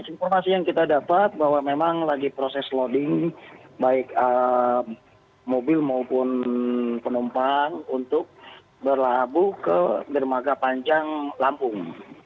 informasi yang kita dapat bahwa memang lagi proses loading baik mobil maupun penumpang untuk berlabuh ke dermaga panjang lampung